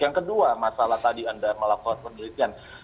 yang kedua masalah tadi anda melakukan penelitian